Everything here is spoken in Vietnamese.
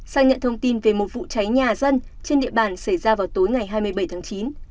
sang nhận thông tin về một vụ cháy nhà dân trên địa bàn xảy ra vào tối ngày hai mươi bảy tháng chín